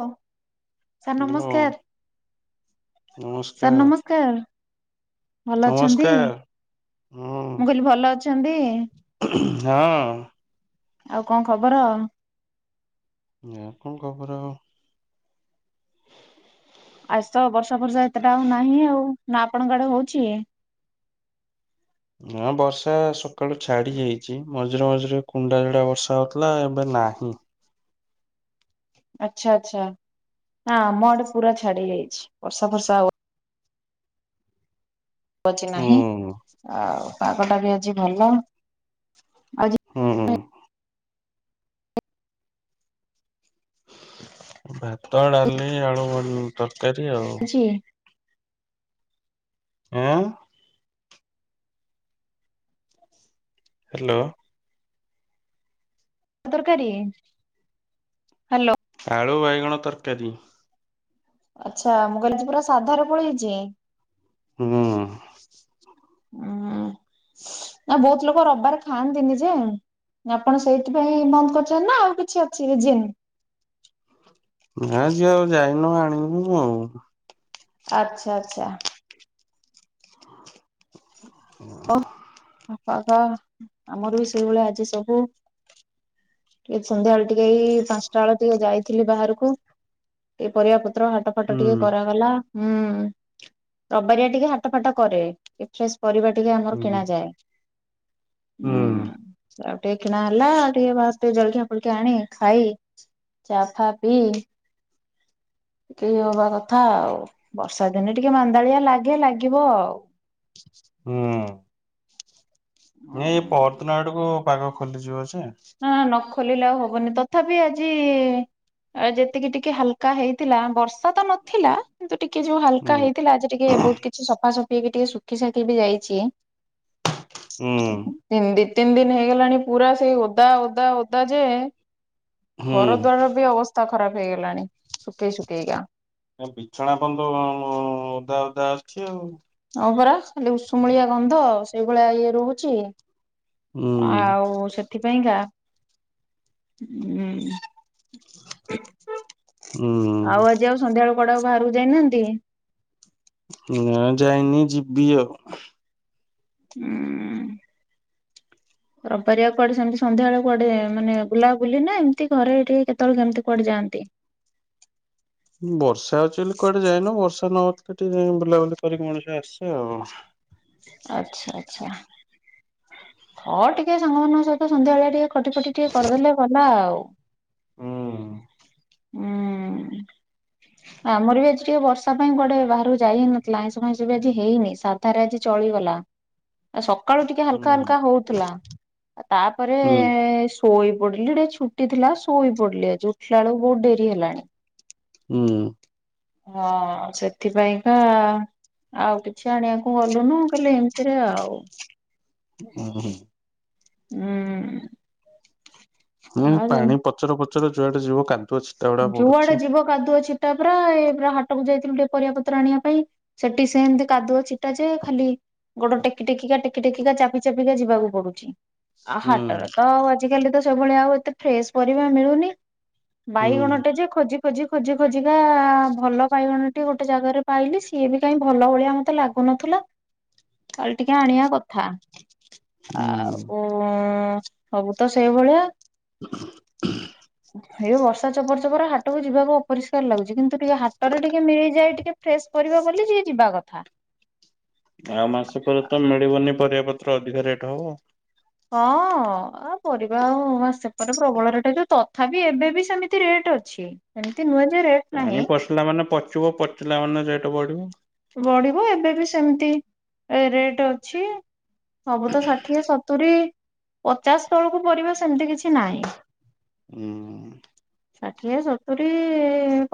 Hello sir hello ନମସ୍କାର sir ନମସ୍କାର ନମସ୍କାର। ଭଲ ଅଛନ୍ତି ନମସ୍କାର ହୁଁ ମୁଁ କହିଲି ଭଲ ଅଛନ୍ତି ହଁ। ଆଉ କଣ ଖବର? ନା କଣ ଖବର। ଆଜି ତ ବର୍ଷା ଫର୍ଷା ଏତେଟା ଆଉ ନାହିଁ ଆଉ ନା ଆପଣଙ୍କ ଆଡେ ହଉଛି? ନା ବର୍ଷା ସକାଳୁ ଛାଡିଯାଇଛି, ମଝିରେ ମଝିରେ କୁଣ୍ଡା ଝଡା ବର୍ଷା ହଉଥିଲା ଏବେ ନାହିଁ। ଆଚ୍ଛା ଆଛା ନା ଆମ ଆଡେ ପୁରା ଛାଡି ଯାଇଛି ବର୍ଷା ଫର୍ଷା ଆଉ ଭୋଜି ନାହିଁ ହୁଁ ଆଉ ପାଗଟା ବି ଆଜି ଭଲ। ଆଜି ହୁଁ ହୁଁ। ଭାତ, ଡାଲି, ଆଳୁ ଭ ତରକାରୀ ଆଉ [inaudible] ହଁ [inaudible] ହ୍ୟାଲୋ। ଉ ତରକାରୀ ହ୍ୟାଲୋ ଆଳୁ, ବାଇଗଣ ତରକାରୀ। ଆଚ୍ଛା ମୁଁ କହଲି ଆଜି ପୁରା ସାଧାରେ ପଳେଇଛି। ହଁ। ହୁଁ ନା ବହୁତ ଲୋକ ରବିବାର ଖାଆନ୍ତିନି ଯେ ଆପଣ ସେଇଥିପାଇଁ ବନ୍ଦ କରିଛନ୍ତି ନା ଆଉ କିଛି ଅଛି ରିଜିନ? ନା ଆଜି ଆଉ ଯାଇନୁ ଆଣିବୁ ଆଉ। ଆଚ୍ଛା ଆଚ୍ଛା। [inaudible] ଓଃ ହୋ ଆମର ବି ସେଇଭଳିଆ ଆଜି ସବୁ। ଏଇ ସନ୍ଧ୍ୟା ବେଳେ ଟିକେ ଏଇ ପାଞ୍ଚଟା ବେଳକୁ ଯାଇଥିଲି ବାହାରକୁ। ଏଇ ପରିବା ପତ୍ର ହାଟ ଫାଟ ହୁଁ ଟିକେ କରାଗଲା। ହୁଁ ରବିବାରିଆ ଟିକେ ହାଟ ଫାଟ କରେ ଟିକେ ଫ୍ରେଶ ପରିବା ଟିକେ ଆମର ହୁଁ କିଣାାଯାଏ। ହୁଁ। ଆଉ ଟିକେ କିଣା ହେଲା ଆଉ ଟିକେ ବାହାରୁ ଟିକେ ଜଳଖିଆ ଫଳଖିଆ ଆଣି ଖାଇ ଚା ଫା ପି ଟିକେ ଇଏ ହବା କଥା ଆଉ ବର୍ଷା ଦିନେ ଟିକେ ମାନ୍ଦାଳିଆ ଲାଗେ ଲାଗିବ ଆଉ। ହୁଁ। [inaudible] ନାହିଁ ଏଇ ଆଉ। ପରଦିନ ଆଡ଼କୁ ପାଗ ଖୋଲିଯିବ ଯେ ହଁ ନ ଖୋଲିଲେ ଆଉ ହବନି ତଥାପି ଆଜି ଯେତିକି ଟିକେ ହାଲକା ହେଇଥିଲା ବର୍ଷା ତ ନଥିଲା। କିନ୍ତୁ ଟିକେ ଯୋଉ ହୁଁ ହାଲକା ହେଇଥିଲା ଆଜି ଟିକେ ବହୁତ କି ସଫା ସୁଫି ହେଇକି ଟିକେ ଶୁଖି ଶାଖି ବି ଯାଇଛି। ହୁଁ ତିନ ଦି ତିନି ଦିନ ହେଇଗଲାଣି ପୁରା ସେଇ ଓଦା ଓଦା ଓଦା ଯେ। ଘର ହୁଁ। ଦ୍ୱାର ବି ଅବସ୍ଥା ଖରାପ ହେଇଗଲାଣି ଶୁଖେଇ ଶୁଖେଇକା। ବିଛଣା ଏପର୍ଯ୍ୟନ୍ତ ଓଦା ଓଦା ଅଛି ଆଉ। ହଁ ପରା ଖାଲି ଉଷୁମଳିଆ ଗନ୍ଧ ସେଇଭଳିଆ ଇଏ ରହୁଛି। ହୁଁ ଆଉ ସେଥିପାଇଁକା ଉଁ ଆଉ ହୁଁ ଆଜି ଆଉ ସନ୍ଧ୍ୟାବେଳ କୁଆଡ଼େ ଆଉ ବାହାରକୁ ଯାଇନାହାନ୍ତି। ନାଁ ଯାଇନି ଯିବି ଆଉ। ହୁଁ। ରବିବାରିଆ କୁଆଡ଼େ ସେମତି ସନ୍ଧ୍ୟାବେଳେ କୁଆଡ଼େ ମାନେ ବୁଲାବୁଲି ନା ଏମିତି ଘରେ ଟିକେ କେତେବେଳେ କେମିତି କୁଆଡ଼େ ଯାଆନ୍ତି? ବର୍ଷା ହଉଛି ବୋଲି କୁଆଡ଼େ ଜାଇନୁ ବର୍ଷା ନହଉଥିଲେ ଟିକେ ବୁଲାବୁଲି କରିକି ମଣିଷ ଆସେ ଆଉ। ଆଚ୍ଛା ଆଚ୍ଛା। ହଁ ଟିକେ ସାଙ୍ଗମାନଙ୍କ ସହିତ ସନ୍ଧ୍ୟାବେଳିଆ ଟିକେ ଖଟି ଫଟି ଟିକେ କରିଦେଲେ ଗଲା ଆଉ। ହୁଁ। ହୁଁ। ଆମର ବି ଆଜି ଟିକେ ବର୍ଷା ପାଇଁ କୁଆଡ଼େ ବାହାରକୁ ଯାଇ ହେଇନଥିଲା ଆଇଁଷ ଫାଇଁସ ବି ଆଜି ହେଇନି ସାଧାରେ ଆଜି ଚଳିଗଲା। ଏ ସକାଳୁ ଟିକେ ହାଲକା ହୁଁ। ହାଲକା ହଉଥିଲା ଆ ତାପରେ ହୁଁ ଶୋଇ ପଡ଼ିଲି ଟିକେ ଛୁଟି ଥିଲା ଶୋଇ ପଡ଼ିଲି ଆଜି ଉଠିଲା ବେଳକୁ ବହୁତ ଡେରି ହେଲାଣି। ହୁଁ। ହଁ ସେଥିପାଇଁକା ଆଉ କିଛି ଆଣିବାକୁ ଗଲୁନୁ କହିଲେ ଏମିତିରେ ଆଉ ଉଁ ହୁଁ। ହୁଁ। ହୁଁ ଆଉ ଯେ- ପାଣି ପଚର ପଚର ଯୁଆଡ଼େ ଯିବ କା ଯୁଆଡ଼େ ଯିବ କାଦୁଅ ଛିଟା ପ୍ରାୟେ ପୁରା ହାଟକୁ ଯାଇଥିଲୁ ଟିକେ ପରିବା ପତ୍ର ଆଣିବା ପାଇଁ। ସେଠି ସେମିତି କାଦୁଅ ଚିଟା ଯେ ଖାଲି ଗୋଡ଼ ଟେକି ଟେକିକା ଟେକି ଟେକିକା ଚାପି ଚାପିକା ଯିବାକୁ ପଡୁଛି। ଆ ହୁଁ ହାଟର ତ ଆଉ ଆଜିକାଲି ତ ସେଭଳିଆ ଆଉ ଏତେ ଫ୍ରେଶ ପରିବା ମିଳୁନି। ହୁଁ ବାଇଗଣ ଟେ ଯେ ଖୋଜି ଖୋଜି ଖୋଜି ଖୋଜିିକା ଭଲ ବାଇଗଣଟିଏ ଗୋଟେ ଜାଗାରେ ପାଇଲି ସିଏ ବି କାହିଁ ଭଲ ଭଳିଆ ମତେ ଲାଗୁ ନଥିଲା କାଲି ଟିକେ ଆଣିବା କ ଥା, ହୁଁ। ଆଉ ଉଁ ସବୁ ତ ସେଇଭଳିଆ। ଏଇ ବର୍ଷା ଚପର ଚପର ହାଟକୁ ଯିବାକୁ ଅପରିଷ୍କାର ଲାଗୁଛି କିନ୍ତୁ ଟିକେ ହାଟରେ ଟିକେ ମିଳିଯାଏ ଟିକେ ଫ୍ରେସ୍। ପରିବା ବୋଲି ଟିକେ ଯିବା କଥା। ଆଉ ମାସ ପରେ ତ ମିଳିବନି ପରିବା ପତ୍ର ଅଧିକା ରେଟ୍ ହବ‌। ହଁ ଆଉ ପରିବା ଆଉ ମାସେ ପରେ ପ୍ରବଳ ରେଟ୍ ହୋଇଯିବ ତଥାପି ଏବେ ବି ସେମିତି ରେଟ୍ ଅଛି। ଏମିତି ନୁହେଁ ଯେ ରେଟ୍। ନାହିଁ ପାଣି ପଶିଲା ମାନେ ପଚିବ ପଚିଲା ମାନେ ରେଟ୍‌ ବଢିବ। ବଢିବ ଏବେ ବି ସେମିତି ରେଟ୍ ଅଛି। ସବୁ ତ ଷାଠିଏ ସତୁରିୀ। ପଚାଶ ତଳକୁ ପରିବା ସେମିତି କିଛି ନାହିଁ। ହୁଁ। ଷାଠିଏ, ସତୁରି,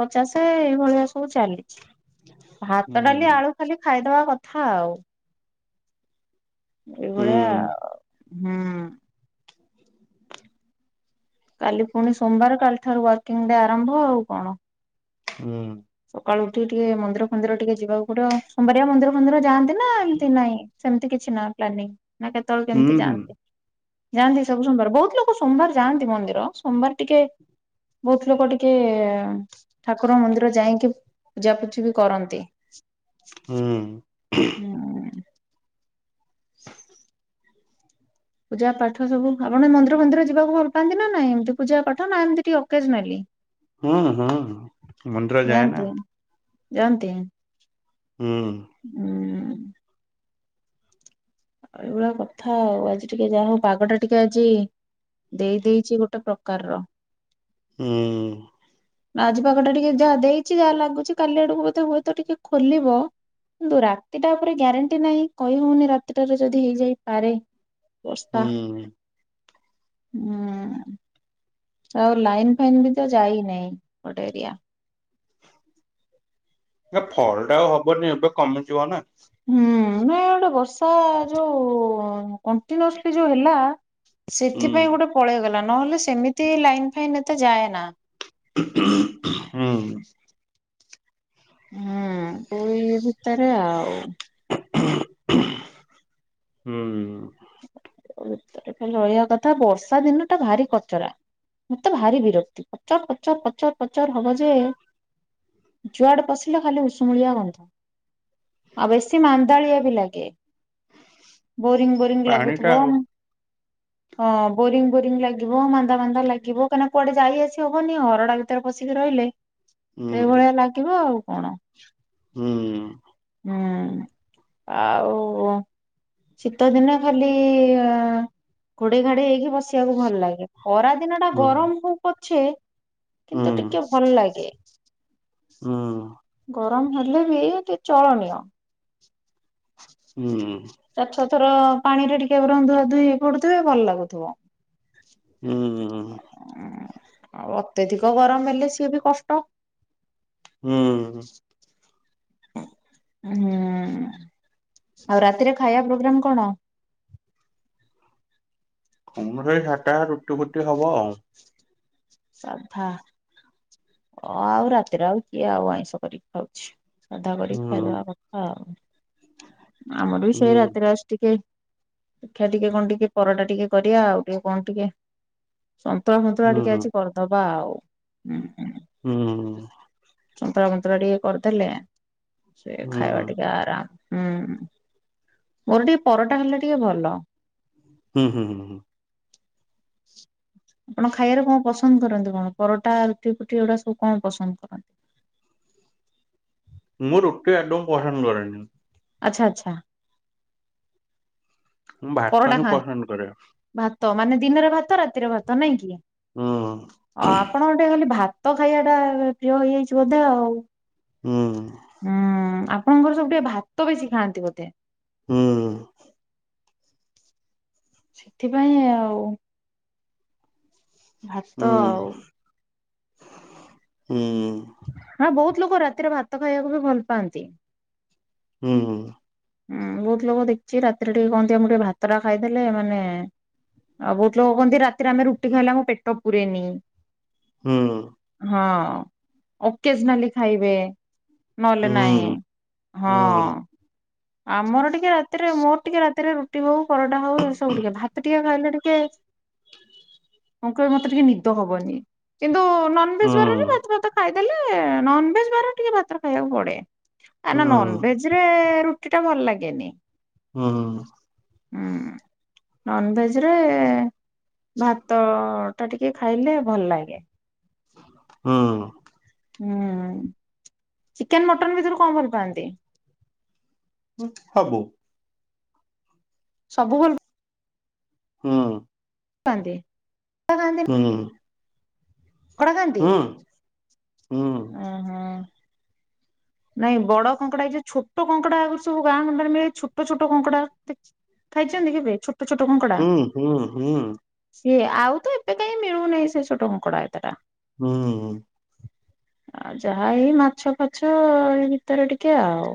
ପଚାଶେ ଏଇଭଳିଆ ସବୁ ଚାଲିଛି। ଭାତ ହୁଁ। ଡାଲି ଆଳୁ ଖାଲି ଖାଇଦବା କଥା ଆଉ। ଏଇ ଭଳିଆ ଆଉ ହୁଁ। କାଲି ପୁଣି ସୋମବାର କାଲି ଠାରୁ ୱାକିଂ ଡେ ଆରମ୍ଭ ଆଉ କଣ। ହୁଁ। ସକାଳୁ ଉଠି ଟିକେ ମନ୍ଦିର ଫନ୍ଦିର ଟିକେ ଯିବାକୁ ପଡିବ ଆଉ ସୋମବାରିଆ ମନ୍ଦିର ଫନ୍ଦିର ଯାଆନ୍ତି ନା ଏମିତି ନାଇଁ। ସେମିତି କିଛି ନ ପ୍ଲାନିଂ ନା କେତେବେଳେ କେମିତି ଯାଆନ୍ତି। ଯାଆନ୍ତି ସବୁ ସୋମବାର ବହୁତ ଲୋକ ସୋମବାର ଯାଆନ୍ତି ମନ୍ଦିର ସୋମବାର ଟିକେ। ବହୁତ ଲୋକ ଟିକେ ଠାକୁର ମନ୍ଦିର ଯାଇକି ପୂଜା ପୂଜି ବି କରନ୍ତି। ହୁଁ। ହୁଁ ଉଁ। [inaudible] ପୂଜା ପାଠ ସବୁ ଆପଣ ମନ୍ଦିର ଫନ୍ଦିର ଯିବାକୁ ଭଲ ପାଆନ୍ତି ନା ନାଇଁ ଏମତି ପୂଜା ପାଠ ନା ଏମତି ଟିକେ ଅକେଜନାଲି‌। ହଁ ହଁ ହଁ ମନ୍ଦିର ଯାଏ ନା। ଯାଆନ୍ତି ଯାଆନ୍ତି। ହୁଁ। ଉଁ। ଏଇଭଳିଆ କଥା ଆଉ ଆଜି ଟିକେ ଯାହା ହଉ ପାଗ ଟା ଟିକେ ଆଜି। ଦେଇ ଦେଇଚି ଗୋଟେ ପ୍ରକାରର। ହୁଁ। ଆଜି ପାଗ ଟା ଟିକେ ଯାହା ଦେଇଛି ଯାହା ଲାଗୁଛି କାଲି ଆଡକୁ ବୋଧେ ହୁଏତ ଟିକେ ଖୋଲିବ। କିନ୍ତୁ ରାତିଟା ଉପରେ ଗ୍ୟାରେଣ୍ଟି ନାହିଁ କହିହଉନି ରାତି। ରାତିଟାରେ ଯଦି ହେଇଯାଇ ପାରେ ବର୍ଷା ହୁଁ। ହୁଁ। ଆଉ ଲାଇନ ଫାଇନ୍ ବି ତ ଯାଇନାହିଁ ଗୋଟେ ଏରିଆ। ଏ ଫଲଟ୍ ଆଉ ହବନି ଏବେ କମିଯିବ ନା। ହୁଁ ନା ଗୋଟେ ବର୍ଷା ଯୋଉ କଣ୍ଟିନିଅସିଲ ଯୋଉ ହେଲା। ହୁଁ, ସେଥିପାଇଁ ଗୋଟେ ପଳେଇଗଲା ନହେଲେ ସେମିତି ଲାଇନ ଫାଇନ ଏତେ ଯାଏନା‌। ହୁଁ। ହୁଁ ପଳେଇବି ଏ ଭିତରେ ଆଉ। ହୁଁ। ଭିତରେ ଖାଲି ରହିବା କଥା ବର୍ଷା ଦିନ ଟା ଭାରି କଚରା। ମତେ ଭାରି ବିରକ୍ତି ପଚର ପଚର ପଚରପଚର ହବ ଯେ। ଯୁଆଡେ ପଶିଲେ ଖାଲି ଉଷୁମୁଳିଆ ଗନ୍ଧ। ଆଉ ବେଶୀ ମାନ୍ଦାଳିଆ ବି ଲାଗେ ବହୁତ। ପାଣିଟା ଲାଗୁଥିବ। ଆଉ ହଁ ବୋରିଙ୍ଗ ବୋରିଙ୍ଗ ଲାଗିବ ମାନ୍ଦା ମାନ୍ଦା ଲାଗିବ କାଇଁ ନା କୁଆଡେ ଯାଇ ଆସି ହବନି ଘରଟା ଭିତରେ ପଶିକି ରହିଲେ। ହୁଁ, ସେଇଭଳିଆ ଲାଗିବ ଆଉ କଣ। ହୁଁ। ହୁଁ ଆଉ ଶୀତ ଦିନେ ଖାଲି। ଘୋଡେଇ ଘାଡେଇ ହେଇକି ବସିବାକୁ ଭଲ ଲାଗେ ଖରା ଦିନ ଟା ହୁଁ, ଗରମ ହଉ ପଛେ। ହୁଁ, କିନ୍ତୁ ଟିକେ ଭଲ ଲାଗେ। ହୁଁ। ଗରମ ହେଲେ ବି ଟିକେ ଚଳନୀୟ। ହୁଁ। ଚାରି ଛଥର ପାଣି ରେ ଟିକେ ବରଂ ଧୁଆ ଧୁଇ ହେଇପଡୁଥିବେ ଭଲ ଲାଗୁଥିବ। ହୁଁ ଉଁ ଆଉ ଅତ୍ୟଧିକ ଗରମ ହେଲେ ସିଏ ବି କଷ୍ଟ। ହୁଁ ହୁଁ। ହୁଁ ଆଉ ରାତିରେ ଖାଇବା ପ୍ରୋଗ୍ରାମ୍ କଣ? କଣ ଗୋଟେ ଏଇ ସାଧା ରୁଟି ଫୁଟି ହବ ଆଉ। ସାଧା ଆଉ ରାତିରେ ଆଉ କିଏ ଆଉ ଆଇଁଷ କରିକି ଖାଉଛି? ସାଧା କରିକି ହୁଁ, ଖାଇଦବା କଥା ଆଉ। ଆମର ବି ସେଇ ହୁଁ, ରାତିରେ ଆଜି ଟିକେ ପିଠା ଟିକେ କଣ ଟିକେ ପରଟା ଟିକେ କରିବା ଆଉ ଟିକେ କଣ ଟିକେ ସନ୍ତୁଳା ଫନ୍ତୁଳା ହୁଁ, ଟିକେ ଆଜି କରିଦବା ଆଉ ହୁଁ ହୁଁ। ହୁଁ। ସନ୍ତୁଳା ଫନ୍ତୁଳା ଟିକେ କରିଦେଲେ ସେ ହୁଁ, ହୁଁ, ଖାଇବା ଟିକେ ଆରାମ୍। ହୁଁ ମୋର ଟିକେ ପରଟା ହେଲେ ଟିକେ ଭଲ। ହୁଁ ହୁଁ ହୁଁ। ଆପଣ ଖାଇବାରେ କଣ ପସନ୍ଦ କରନ୍ତି କଣ ପରଟା ରୁଟି ଫୁଟି ଏଗୁଡା ସବୁ କଣ ପସନ୍ଦ କରନ୍ତି? ମୁଁ ରୁଟି ଆଦୌ ପସନ୍ଦ କରେନି। ଆଚ୍ଛା ଆଚ୍ଛା। ମୁଁ ଭାତ ପରଟା ହିଁ ଖାଆନ୍ତି ପସନ୍ଦ କରେ। ଭାତ ମାନେ ଦିନରେ ଭାତ ରାତିରେ ଭାତ ନାଇଁ କି? ହୁଁ ଓ ଆପଣ ଗୋଟେ ଖାଲି ଭାତ ଖାଇବା ଟା ପ୍ରିୟ ହେଇଯାଇଛି ବୋଧେ ଆଉ। ହୁଁ ହୁଁ ଆପଣଙ୍କର ସବୁ ଟିକେ ଭାତ ବେଶୀ ଖାଆନ୍ତି ବୋଧେ? ହୁଁ। ସେଥିପାଇଁ ଆଉ। ଭାତ ଆଉ ହୁଁ ହୁଁ। ହଁ ବହୁତ ଲୋକ ରାତିରେ ଭାତ ଖାଇବାକୁ ବି ଭଲ ପାଆନ୍ତି। ହୁଁ ହୁଁ। ହୁଁ ବହୁତ ଲୋକ ଦେଖିଛି ରାତିରେ ଟିକେ କୁହନ୍ତି ଆ ମୁଁ ଟିକେ ଭାତ ଟା ଖାଇଦେଲେ ମାନେ ଆଉ ବହୁତ ଲୋକ କହନ୍ତି ରାତିରେ ଆମେ ରୁଟି ଖାଇଲେ ଆମ ପେଟ ପୁରେନି। ହୁଁ। ହଁ ଅକେଜନାଲି ଖାଇବେ। ନହେଲେ ନାଇଁ ହୁଁ। ହଁ ହୁଁ ଆମର ଟିକେ ରାତିରେ ମୋର ଟିକେ ରା ରେ ରୁଟି ହଉ ପରଟା ହଉ ଏ ସବୁ ଟିକେ ଭାତ ଟିକେ ଖାଇଲେ ଟିକେ କଣ କହିଲ ମତେ ଟିକେ ନିଦ ହବନି କିନ୍ତୁ ନନ ଭେଜ୍ ବାର ରେ ହୁଁ ଭାତ ଫାତ ଖାଇଦେଲେ ନନଭେଜ୍ ବାର ଟିକେ ଭାତ ରେ ଖାଇବାକୁ ପଡେ କାଇଁ ନା ହୁଁ ନନଭେଜ୍ ରେ ରୁ ରୁଟି ଟା ଭଲ ଲାଗେନି। ହୁଁ। ହୁଁ ନନଭେଜ୍ ରେ ଭାତ ଭାତ ଟା ଟିକେ ଖାଇଲେ ଭଲ ଲାଗେ। ହୁଁ। ହୁଁ ଚିକେନ୍ ମଟନ୍ ଭିତରୁ କଣ ଭଲ ପାଆନ୍ତି? ହୁଁ ସବୁ। ସବୁ ଭଲ ହୁଁ। ପାଆନ୍ତି ଭାତ ଖାଆନ୍ତି ନା ହୁଁ। ଅଣ୍ଡା ହୁଁ ହୁଁ। ଅଁ ହଁ। ନାଇଁ ବଡ କଙ୍କଡା ଏ ଯଉ ଛୋଟ କଙ୍କଡା ଆଗ ସବୁ ଗାଁ ଗଣ୍ଡରେ ମିଳେ ଛୋଟ ଛୋଟ କଙ୍କଡା ଖାଇଛନ୍ତି କେବେ ଛୋଟ ଛୋଟ କଙ୍କଡା। ହୁଁ ହୁଁ ହୁଁ ସିଏ ଆଉ ତ ଏବେ କାହିଁ ମିଳୁନହିଁ ସେ ଛୋଟ କଙ୍କଡା ଏତେଟା। ହୁଁ। ଆଉ ଯାହା ହଇ ମାଛ ଫାଛ ଏଇ ଭିତରେ ଟିକେ ଆଉ।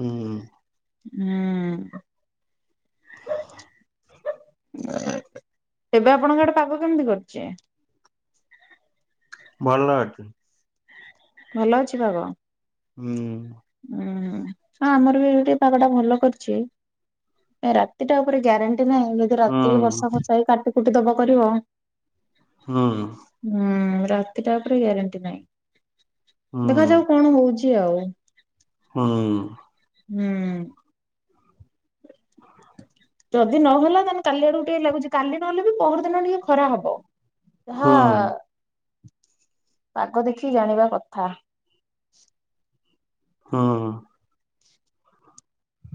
ହୁଁ। ହୁଁ। ତେବେ ଆପଣଙ୍କ ଆଡେ ପାଗ କେମିତି କରିଚି? ଭଲ ଅଛି। ଭଲ ଅଛି ପାଗ? ହୁଁ। ଉୁଁ ହ ଆମର ବି ଏଠି ପାଗ ଟା ଭଲ କରିଚି। ଏ ରାତିଟା ଉପରେ ଗ୍ୟାରେଣ୍ଟି ନାହିଁ ଯ ଦି ରାତି କି ହୁଁ ବର୍ଷା ଫଷା ହେଇକି କାଟି କୁଟି ଦବା କରିବ। ହୁଁ। ହୁଁ ରାତିଟା ଉପରେ ଗ୍ୟାରେଣ୍ଟି ନହିଁ। ଦେଖାଯାଉ ହୁଁ କଣ ହଉଚି ଆଉ। ହୁଁ। ହୁଁ। ଯଦି ନହେଲା ତାହେନେ କାଲି ଆଡେକୁ ଟିକେ ଲାଗୁଚି କାଲି ନହେଲେ ବି ପହରଦିନ ଟିକେ ଖରା ହବ। ହୁଁ ହଁ ହୁଁ ପାଗ ଦେଖି ଜାଣିବା କଥା। ହୁଁ।